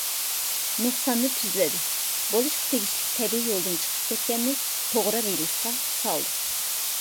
نۇقساننى تۈزلىدى، بولۇشقا تېگىشلىك تەبىئىي يولىدىن چىقىپ كەتكەننى توغرا رېلىسقا سالدى.